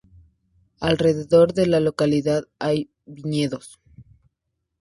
Alrededor de la localidad hay viñedos.